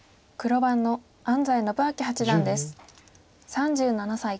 ３７歳。